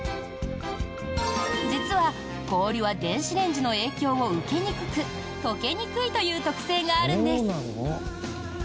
実は、氷は電子レンジの影響を受けにくく溶けにくいという特性があるんです。